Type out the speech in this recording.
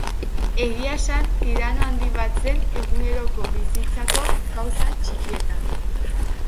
Egia esan, tirano handi bat zen eguneroko bizitzako gauza ttikietan.